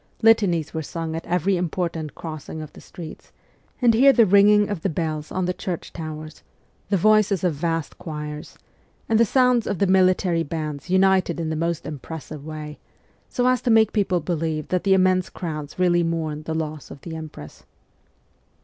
Litanies were sung at every important crossing of the streets, and here the ringing of the bells on the church towers, the voices of vast choirs, and the sounds of the militar)^ bands united in the most impressive way, so as to make people believe that the immense crowds really mourned the loss of the empress.